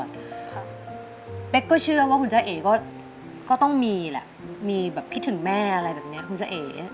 เป๊กก็เชื่อว่าคุณจ้าเอก็ต้องมีแหละมีแบบคิดถึงแม่อะไรแบบนี้คุณจ้าเอ